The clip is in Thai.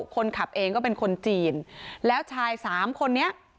คนขับเองก็เป็นคนจีนแล้วชายสามคนนี้